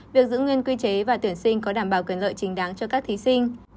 việc giữ nguyên quy chế và tuyển sinh có đảm bảo quyền lợi chính đáng cho các thí sinh